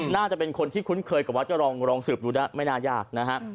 น่าจะเป็นคนที่คุ้นเคยกับวัดก็ลองสืบดูนะไม่น่ายากนะฮะ